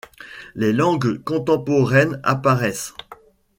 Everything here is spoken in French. Les langues contemporaines apparaissent.